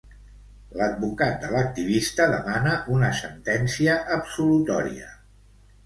L'advocat de l'activista demana una sentència absolutòria.